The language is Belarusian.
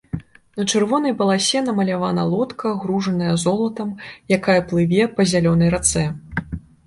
На чырвонай паласе намалявана лодка, гружаная золатам, якая плыве па зялёнай рацэ.